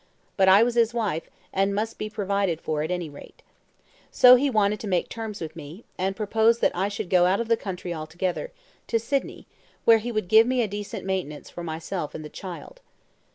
But I was his wife, and must be provided for at any rate. So he wanted to make terms with me, and proposed that I should go out of the country altogether to Sydney where he would give me a decent maintenance for myself and the child.